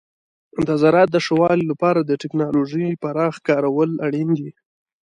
د زراعت د ښه والي لپاره د تکنالوژۍ پراخ کارول اړین دي.